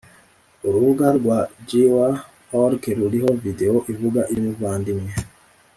Urubuga rwa jw org ruriho Videwo ivuga iby umuvandimwe